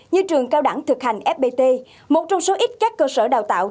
như trường cao đẳng thực hành fpt một trong số ít các cơ sở đào tạo